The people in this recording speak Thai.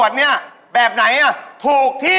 เดี๋ยว